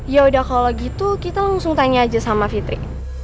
yaudah kalo gitu kita langsung tanya aja sama fitri